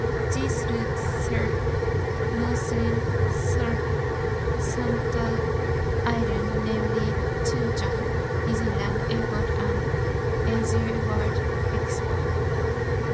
These routes serve Northern Lantau Island, namely Tung Chung, Disneyland, Airport and AsiaWorld-Expo.